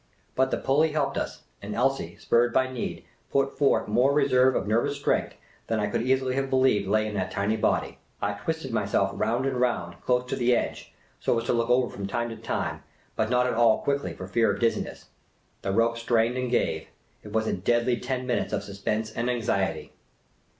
But the pulley helped us, and Elsie, spurred by need, put forth more reserve of nervous strength than I could easily have believed lay in that tiny body. I twisted myself round and round, close to the edge, so as to look over from time to time, but not at all quickly, for fear of dizziness. The rope strained and gave. It was a deadly ten minutes of suspense and anxiety.